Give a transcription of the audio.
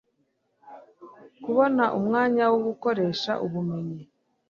kubona umwanya wo gukoresha ubumenyi